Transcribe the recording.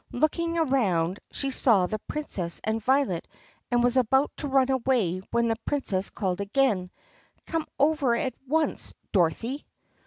Looking around, she saw the Princess and Violet and was about to run away when the Prin cess called again, "Come over at once, Dorothy!"